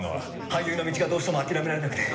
俳優の道がどうしても諦められなくて。